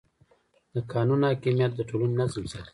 د قانون حاکمیت د ټولنې نظم ساتي.